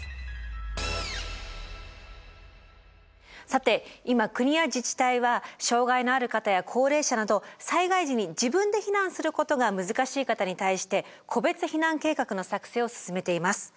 さて今国や自治体は障害のある方や高齢者など災害時に自分で避難することが難しい方に対して個別避難計画の作成を進めています。